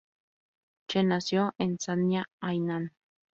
Chen nació en Sanya, Hainan.